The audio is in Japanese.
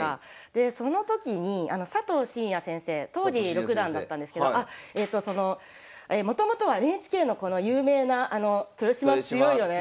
でその時に佐藤紳哉先生当時六段だったんですけどもともとはＮＨＫのこの有名な「豊島強いよね。